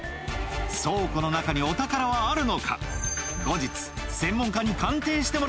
倉庫の中にお宝はあるのか？